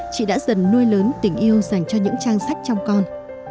chị đã dần nuôi lớn tình yêu dành cho những trang sách trong con